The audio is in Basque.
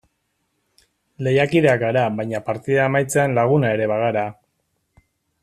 Lehiakideak gara baina partida amaitzean laguna ere bagara.